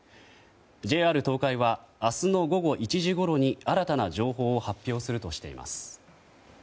ＪＲ東海は明日の午後１時ごろに新たな情報を発表するとしています。